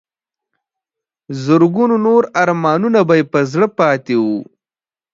زرګونو نور ارمانونه به یې پر زړه پاتې وو.